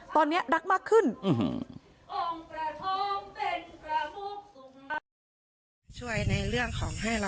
ตอนนี้รักมากขึ้น